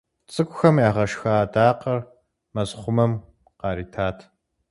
ЦӀыкӀухэм ягъашхэ адакъэр мэзхъумэм къаритат.